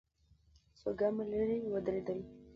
څو ګامه ليرې ودرېدل.